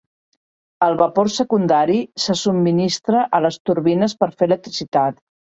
El vapor secundari se subministra a les turbines per fer electricitat.